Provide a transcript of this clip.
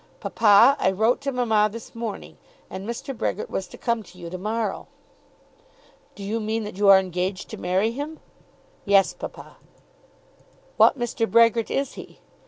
"Papa, I wrote to mamma this morning, and Mr. Brehgert was to come to you to morrow." "Do you mean that you are engaged to marry him?" "Yes, papa." "What Mr. Brehgert is he?"